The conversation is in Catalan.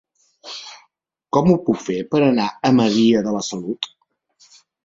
Com ho puc fer per anar a Maria de la Salut?